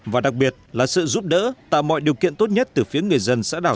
và đặc biệt là sự giúp đỡ tạo mọi điều kiện tốt nhất từ phía người dân xã đảo